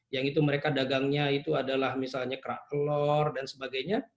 yang itu mereka dagangnya itu adalah misalnya kerak telur dan sebagainya